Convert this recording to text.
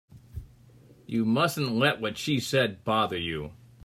You mustn't let what she said bother you.